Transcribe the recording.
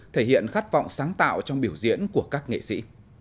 thể hiện khát vọng sáng tạo trong biểu diễn của các nghệ sĩ